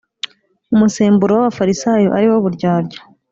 umusemburo w Abafarisayo ari wo buryarya